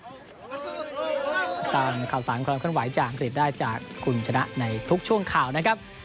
ตามข่าวสารความเคลื่อนไหวจากอังกฤษได้จากคุณชนะในทุกช่วงข่าวนะครับ